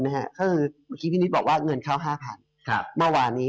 ก็คือเมื่อกี้พี่นิดบอกว่าเงินเข้า๕๐๐๐เมื่อวานนี้